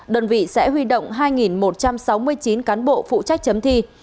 đơn vị sẽ huy động hai một trăm sáu mươi chín cán bộ phụ trách chấm thi